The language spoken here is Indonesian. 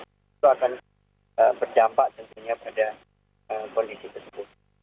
itu akan berdampak tentunya pada kondisi tersebut